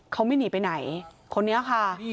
เขาไม่หนีไปไหนคนนี้ค่ะ